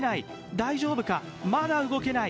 大丈夫か、まだ動けない。